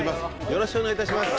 よろしくお願いします。